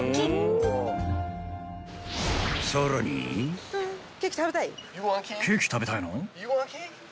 ［さらに］・ケーキ食べたい？